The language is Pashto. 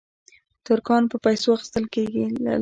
ترکان په پیسو اخیستل کېدل.